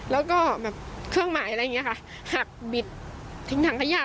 แล้วก็แบบเครื่องหมายอะไรอย่างนี้ค่ะหักบิดทิ้งถังขยะ